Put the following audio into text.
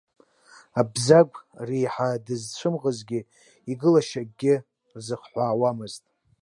Абзагә реиҳа дызцәымӷызгьы, игылашьа акгьы рзахҳәаауамызт.